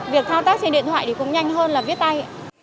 việc thao tác trên điện thoại thì cũng nhanh hơn là viết tay